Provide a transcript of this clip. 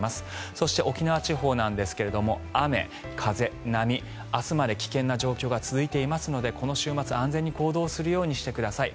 そして、沖縄地方ですが雨、風、波明日まで危険な状況が続いていますのでこの週末、安全に行動するようにしてください。